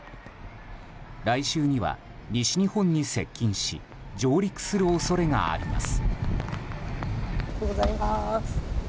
来週には西日本に接近し上陸する恐れがあります。